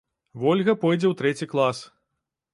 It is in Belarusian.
Вольга пойдзе ў трэці клас.